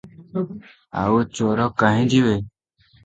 ଆଉ ଚୋର କାହିଁ ଯିବେ?